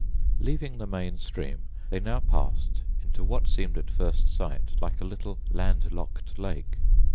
Leaving the main stream, they now passed into what seemed at first sight like a little land locked lake.